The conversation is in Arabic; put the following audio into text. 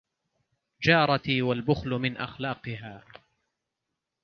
جارتي والبخل من أخلاقها